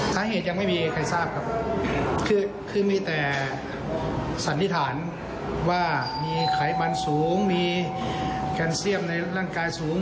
สาเหตุยังไม่มีใครทราบครับคือมีแต่สันนิษฐานว่ามีไขมันสูงมีการเซียมในร่างกายสูง